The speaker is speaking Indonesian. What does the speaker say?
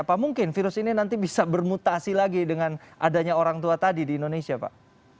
apa mungkin virus ini nanti bisa bermutasi lagi dengan adanya orang tua tadi di indonesia pak